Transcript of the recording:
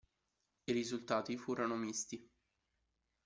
I risultati furono misti.